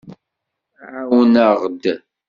Ɛawen-aɣ-d.